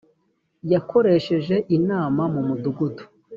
yakoresheje inama mu mudugudu